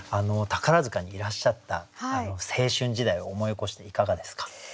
宝塚にいらっしゃった青春時代を思い起こしていかがですか？